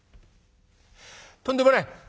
とんでもない。